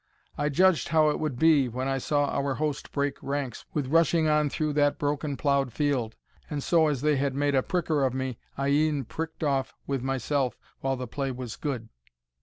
I judged how it would be, when I saw our host break ranks, with rushing on through that broken ploughed field, and so as they had made a pricker of me, I e'en pricked off with myself while the play was good."